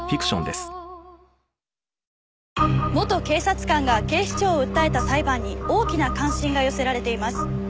元警察官が警視庁を訴えた裁判に大きな関心が寄せられています。